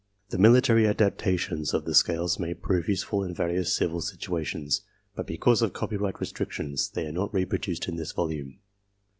The military adaptations of the scales may prove useful in various civil situations, but because of copyright restrictions they are not reproduced in this volume.